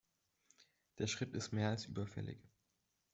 Der Schritt ist mehr als überfällig.